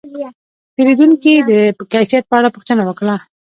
پیرودونکی د کیفیت په اړه پوښتنه وکړه.